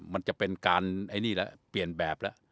มันจะเป็นการไอ้นี่แล้วเปลี่ยนแบบแล้ว